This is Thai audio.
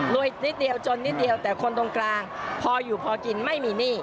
นิดเดียวจนนิดเดียวแต่คนตรงกลางพออยู่พอกินไม่มีหนี้